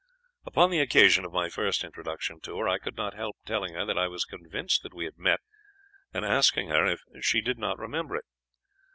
Upon the occasion of my first introduction to her I could not help telling her that I was convinced that we had met, and asking her if she did not remember it.